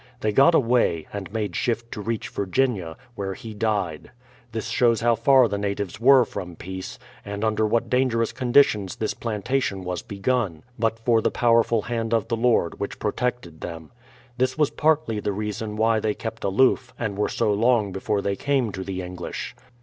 They got away, and made shift to reach Virginia, where he died. This shows how far the natives w^ere from peace, and under what dangerous conditions this plantation was begun, but for the powerful hand of the Lord, which pro tected them. This was partly the reason why they kept aloof, and were so long before they came to the English.